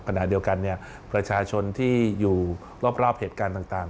ขณะเดียวกันประชาชนที่อยู่รอบเหตุการณ์ต่าง